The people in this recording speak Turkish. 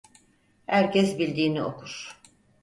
Herkes bildiğini okur.